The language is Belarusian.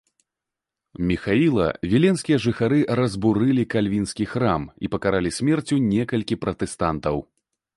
Міхаіла, віленскія жыхары разбурылі кальвінскі храм і пакаралі смерцю некалькі пратэстантаў.